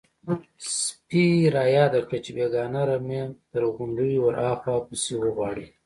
_سپي را ياده کړه چې بېګانۍ رمه تر غونډيو ورهاخوا پسې وغواړئ.